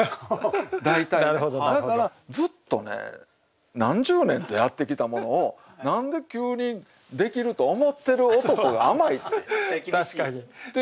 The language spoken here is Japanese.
だからずっとね何十年とやってきたものを何で急にできると思ってる男が甘いっていうことを思うんですね。